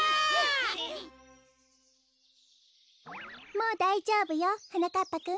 もうだいじょうぶよはなかっぱくん。